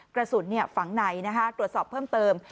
กระสุนฝังในตรวจสอบเพิ่มเติม